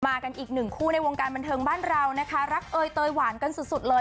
กันอีกหนึ่งคู่ในวงการบันเทิงบ้านเรานะคะรักเอยเตยหวานกันสุดสุดเลย